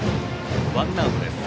ワンアウトです。